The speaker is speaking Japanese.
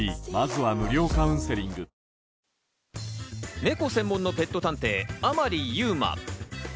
ネコ専門のペット探偵・甘利優真。